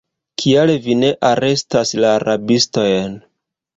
Kial vi ne arestas la rabistojn?